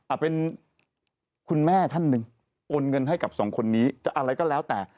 เป็นคุณแม่ท่านหนึ่งโอนเงินให้กับสองคนนี้จะอะไรก็แล้วแต่